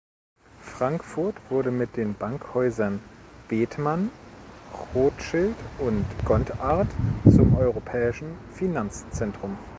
Frankfurt wurde mit den Bankhäusern Bethmann, Rothschild und Gontard zum europäischen Finanzzentrum.